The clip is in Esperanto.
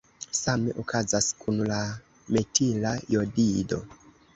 Same okazas kun la metila jodido.